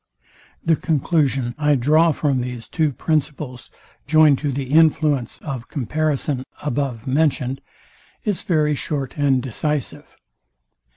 The conclusion I draw from these two principles, joined to the influence of comparison above mentioned, is very short and decisive.